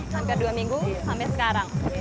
hampir dua minggu sampai sekarang